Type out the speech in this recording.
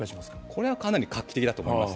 これはかなり画期的だと思います。